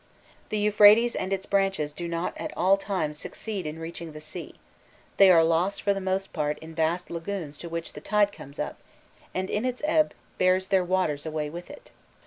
The Euphrates and its branches do not at all times succeed in reaching the sea: they are lost for the most part in vast lagoons to which the tide comes up, and in its ebb bears their waters away with it.